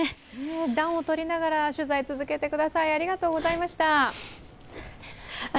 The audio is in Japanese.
暖をとりながら取材、続けてください。